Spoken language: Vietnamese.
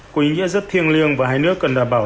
có ý nghĩa rất thiêng liêng và hai nước cần đảm bảo